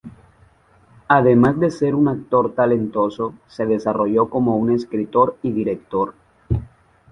Además de ser un actor talentoso, se desarrolló como escritor y director.